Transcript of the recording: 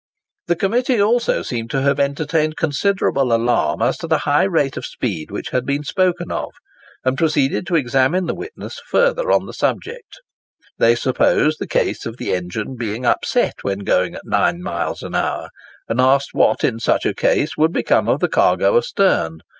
The Committee also seem to have entertained considerable alarm as to the high rate of speed which had been spoken of, and proceeded to examine the witness further on the subject. They supposed the case of the engine being upset when going at 9 miles an hour, and asked what, in such a case, would become of the cargo astern.